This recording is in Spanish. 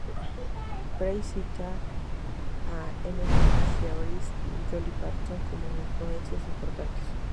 Price cita a Emmylou Harris y Dolly Parton como influencias importantes.